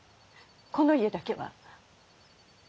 この家だけは。